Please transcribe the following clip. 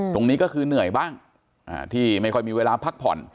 ตรงนี้ก็คือเหนื่อยบ้างที่ไม่ค่อยมีเวลาพักผ่อน